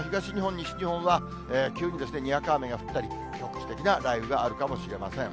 西日本は急ににわか雨が降ったり、局地的には雷雨があるかもしれません。